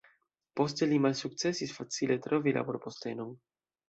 Poste li malsukcesis facile trovi laborpostenon.